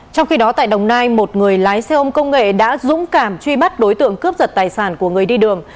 trong khi đó tại đồng nai một người lái xe ôm công nghệ đã dũng cảm truy bắt đối tượng cướp giật tài sản của người đi đường